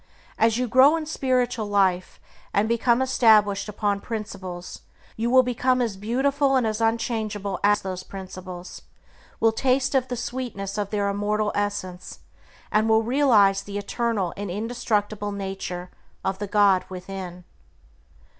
As you grow in spiritual life, and become established upon principles, you will become as beautiful and as unchangeable as those principles, will taste of the sweetness of their immortal essence, and will realize the eternal and indestructible nature of the God within.